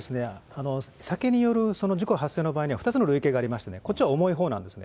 酒による事故発生の場合には、２つのがありましてこっちは重いほうなんですね。